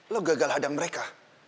lo gagal hadang mereka